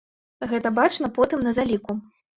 Гэта бачна потым на заліку.